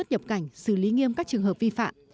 nhập cảnh xử lý nghiêm các trường hợp vi phạm